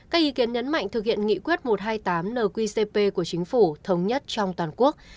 các ý kiến nhấn mạnh thực hiện nghị quyết một trăm hai mươi tám nqcp của chính phủ thống nhất trong toàn quốc